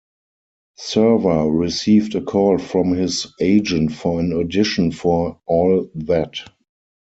Server received a call from his agent for an audition for "All That".